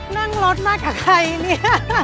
นั่งรถมากับใครเนี่ย